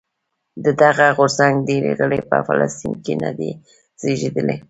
د دغه غورځنګ ډېری غړي په فلسطین کې نه دي زېږېدلي.